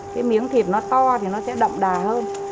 cái miếng thịt nó to thì nó sẽ đậm đà hơn